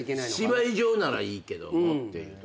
芝居上ならいいけどもっていう。